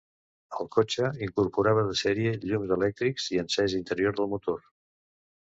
El cotxe incorporava de sèrie llums elèctrics i encesa interior del motor.